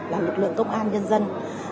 là lực lượng công an nhân dân